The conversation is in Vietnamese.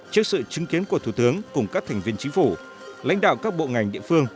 trước sự chứng kiến của thủ tướng cùng các thành viên chính phủ lãnh đạo các bộ ngành địa phương